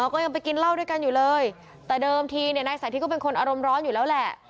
ก็ยังไปกินเหล้าด้วยกันอยู่เลยแต่เดิมทีเนี่ยนายสาธิตก็เป็นคนอารมณ์ร้อนอยู่แล้วแหละ